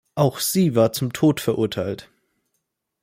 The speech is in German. Auch sie war zum Tod verurteilt.